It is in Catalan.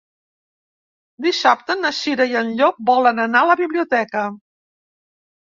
Dissabte na Cira i en Llop volen anar a la biblioteca.